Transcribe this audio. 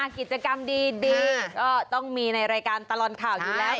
กิจกรรมดีก็ต้องมีในรายการตลอดข่าวอยู่แล้ว